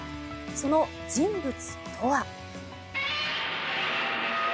その人物とは。